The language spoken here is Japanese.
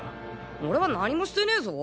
俺は何もしてねえぞ。